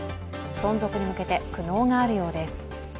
存続に向けて苦悩があるようです。